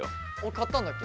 買ったんだっけ？